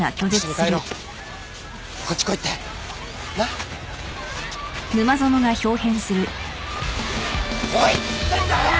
来いっつってんだよ！